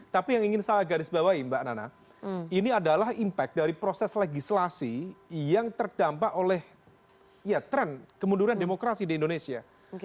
tapi yang ingin saya garis bawahi mbak nana ini adalah impact dari proses legislasi yang terdampak oleh tren kemunduran demokrasi di indonesia